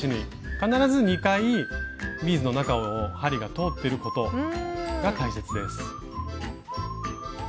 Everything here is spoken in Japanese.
必ず２回ビーズの中を針が通ってることが大切です。